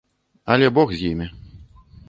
Але бог з імі.